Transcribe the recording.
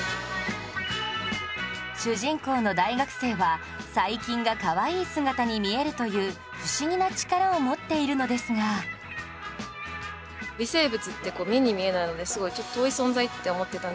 主人公の大学生は細菌がかわいい姿に見えるという不思議な力を持っているのですがというのを結構感じて。